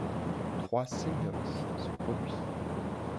Trois singles sont produits.